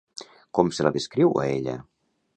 Com se la descriu a ella?